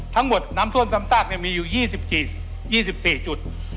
ทั้งหมดน้ำท่วมซ้ำซากมีอยู่๒๔จุด